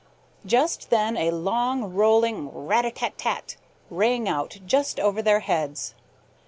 Just then a long, rolling rat a tat tat rang out just over their heads.